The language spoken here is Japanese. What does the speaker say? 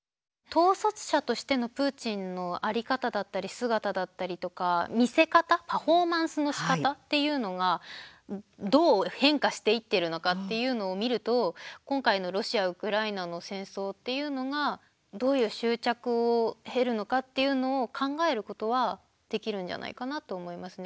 統率者としてのプーチンの在り方だったり姿だったりとか見せ方パフォーマンスのしかたっていうのがどう変化していってるのかっていうのを見ると今回のロシア、ウクライナの戦争っていうのがどういう終着を経るのかっていうのを考えることはできるんじゃないかなと思いますね。